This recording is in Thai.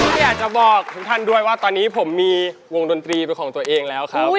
อยากจะบอกทุกท่านด้วยว่าตอนนี้ผมมีวงดนตรีเป็นของตัวเองแล้วครับ